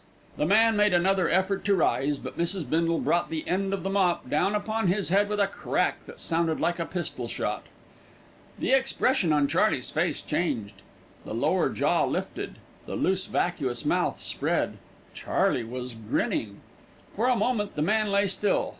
The man made another effort to rise; but Mrs. Bindle brought the end of the mop down upon his head with a crack that sounded like a pistol shot. The expression on Charley's face changed. The lower jaw lifted. The loose, vacuous mouth spread. Charley was grinning. For a moment the man lay still.